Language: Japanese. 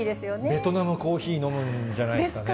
ベトナムコーヒー飲むんじゃですかね？